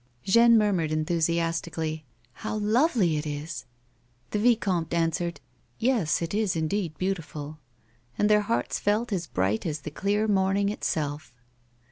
Jeanne murmured enthusiastically, " How lovely it is !" The vicomte answered " Yes, it is indeed beautiful." And their hearts felt as bright as the clear morning itself.